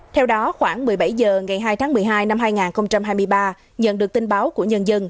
theo đó khoảng một mươi bảy giờ ngày hai tháng một mươi hai năm hai nghìn hai mươi ba